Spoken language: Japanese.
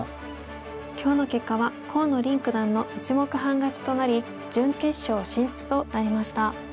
今日の結果は河野臨九段の１目半勝ちとなり準決勝進出となりました。